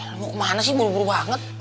kalau mau kemana sih buru buru banget